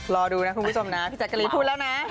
รอดูนะคุณผู้ชมนะพี่แจ๊กกะรีนพูดแล้วนะ